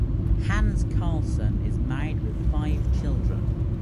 Hans Karlsson is married with five children.